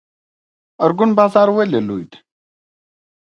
ارګون بازار ولې لوی دی؟